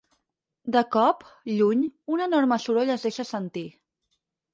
De cop, lluny, un enorme soroll es deixa sentir.